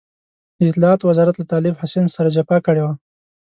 د اطلاعاتو وزارت له طالب حسين سره جفا کړې وه.